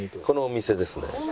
このお店ですね。